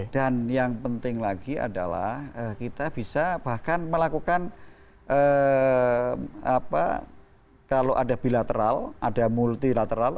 dan yang penting lagi adalah kita bisa bahkan melakukan kalau ada bilateral ada multilateral